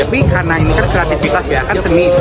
tapi karena ini kan kreativitas ya kan seni